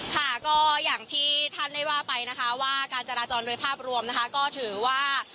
ค่ะก็อย่างที่ท่านได้ว่าไปนะคะว่าการจราจรโดยภาพรวมนะคะก็ถือว่า